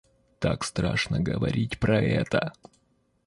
Так страшно говорить про это.